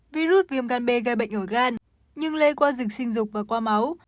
virus viêm gan b gây bệnh ở gan nhưng lây qua dịch sinh dục và qua máu